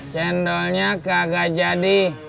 cendolnya kagak jadi